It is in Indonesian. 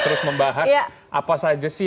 terus membahas apa saja sih